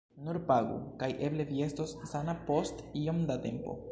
Nur pagu, kaj eble vi estos sana post iom da tempo.